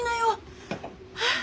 はあ。